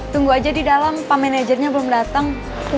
tunggu aja di dalam pamanajernya belum dateng